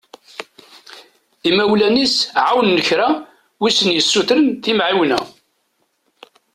Imawlan-is εawnen kra w'i sen-yessutren timεiwna.